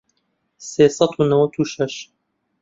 سێ سەد و نەوەت و شەش